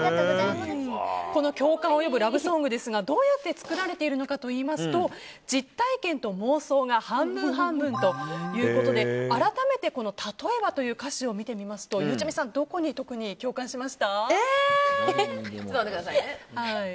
この共感を呼ぶラブソングですがどうやって作られているのかと言いますと実体験と妄想が半分半分ということで改めて、「例えば」という歌詞を見てみますとゆうちゃみさん、どこに特に共感しましたか。